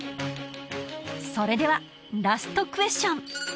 それではラストクエスチョン！